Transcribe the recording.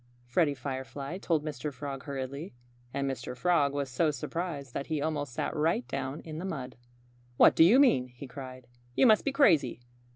Freddie Firefly told Mr. Frog hurriedly. And Mr. Frog was so surprised that he almost sat right down in the mud. "What do you mean?" he cried. "You must be crazy!